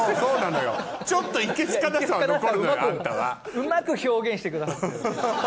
うまく表現してくださってる。